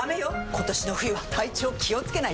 今年の冬は体調気をつけないと！